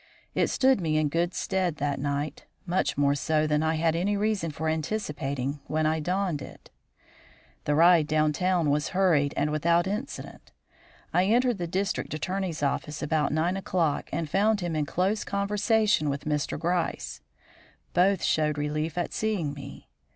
It stood me in good stead that night, much more so than I had any reason for anticipating when I donned it. The ride down town was hurried and without incident. I entered the District Attorney's office about nine o'clock, and found him in close conversation with Mr. Gryce. Both showed relief at seeing me.